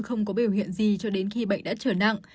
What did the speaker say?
không có biểu hiện gì cho đến khi bệnh đã trở nặng